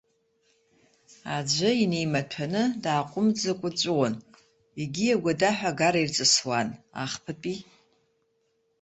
Аӡәы инеимаҭәаны, дааҟәымҵӡакәа дҵәуон, егьи агәадаҳәа агара ирҵысуан, ахԥатәи.